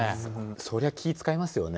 そりゃ気遣いますよね。